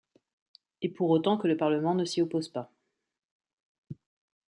Et pour autant que le parlement ne s'y oppose pas.